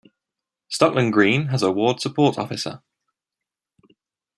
Stockland Green has a Ward Support Officer.